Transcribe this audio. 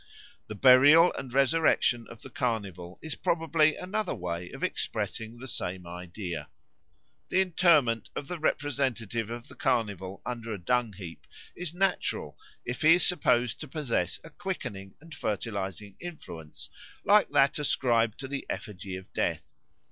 The burial and resurrection of the Carnival is probably another way of expressing the same idea. The interment of the representative of the Carnival under a dung heap is natural, if he is supposed to possess a quickening and fertilising influence like that ascribed to the effigy of Death.